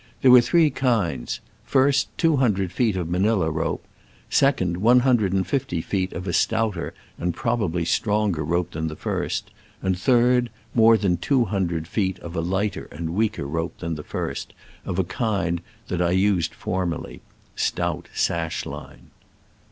There were three kinds: first, two hundred feet of Manila rope ; second, one hundred and fifty feet of a stouter and probably strong er rope than the first ; and third, more than two hundred feet of a lighter and weaker rope than the first, of a kind that I used formerly (stout sash line).